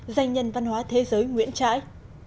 doanh nhân văn hóa thế giới nguyễn trãi